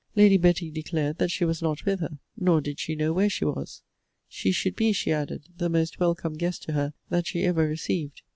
Lady Betty declared that she was not with her; nor did she know where she was. She should be, she added, the most welcome guest to her that she ever received.